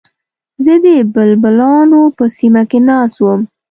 زه د بلبلانو په سیمه کې ناست وم.